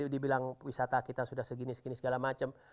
dibilang wisata kita sudah segini segini segala macam